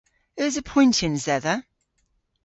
Eus apoyntyans dhedha?